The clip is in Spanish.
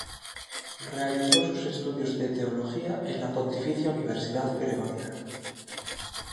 Realizó sus estudios de teología en la Pontificia Universidad Gregoriana.